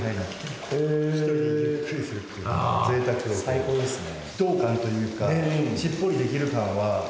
最高ですね。